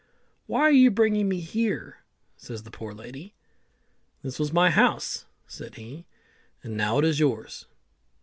"Why are you bringing me here?" says the poor lady. "This was my house," said he, "and now it's yours."